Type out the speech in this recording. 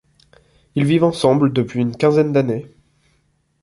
Ils vivent ensemble depuis une quinzaine d'années.